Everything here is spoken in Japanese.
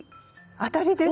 当たりです。